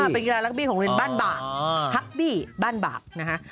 เป็นกีฬารักบี้ของโรงเรียนบ้านบากฮักบี้บ้านบากนะฮะ